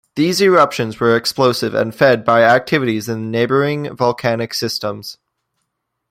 These eruptions were explosive and fed by activities in the neighboring volcanic systems.